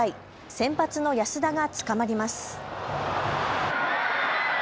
先発の安田がつかまります。